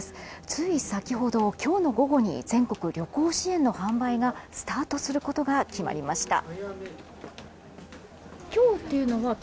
つい先ほど今日の午後に全国旅行支援の販売がスタートすることが決まりました。